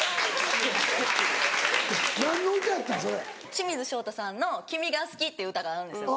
清水翔太さんの『君が好き』っていう歌があるんですよ。